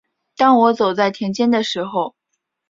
当我走在田间的时候